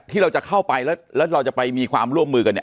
ที่เราจะเข้าไปแล้วเราจะไปมีความร่วมมือกันเนี่ย